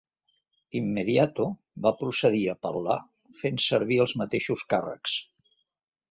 Immediato va procedir a apel·lar fent servir els mateixos càrrecs.